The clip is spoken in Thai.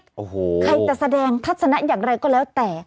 โอ้โหใครจะแสดงทัศนะอย่างไรก็แล้วแต่